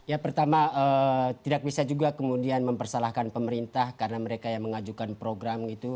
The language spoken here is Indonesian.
ya pertama tidak bisa juga kemudian mempersalahkan pemerintah karena mereka yang mengajukan program gitu